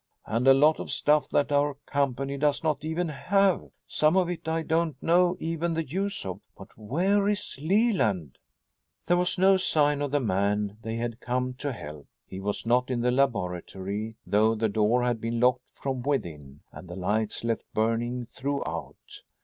And a lot of stuff that our company does not even have. Some of it I don't know even the use of. But where is Leland?" There was no sign of the man they had come to help. He was not in the laboratory, though the door had been locked from within and the lights left burning throughout.